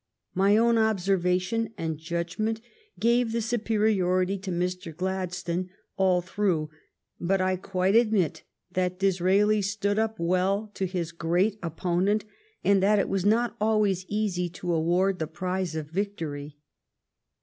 My own observation and judgment gave the superiority to Mr. Glad stone all through, but I quite admit that Disraeli stood up well to his great opponent, and that it was not always easy to award the prize of victory.